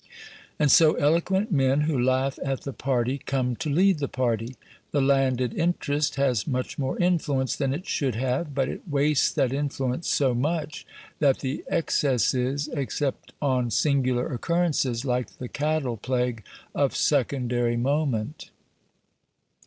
And so eloquent men who laugh at the party come to lead the party. The landed interest has much more influence than it should have; but it wastes that influence so much that the excess is, except on singular occurrences (like the cattle plague), of secondary moment.